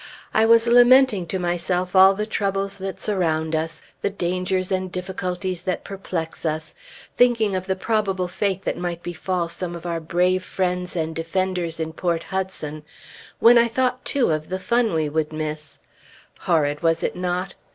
I was lamenting to myself all the troubles that surround us, the dangers and difficulties that perplex us, thinking of the probable fate that might befall some of our brave friends and defenders in Port Hudson, when I thought, too, of the fun we would miss. Horrid, was it not?